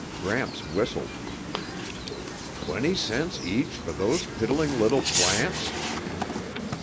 Gramps whistled. "Twenty cents each for those piddling little plants?"